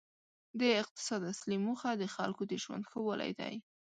د اقتصاد اصلي موخه د خلکو د ژوند ښه والی دی.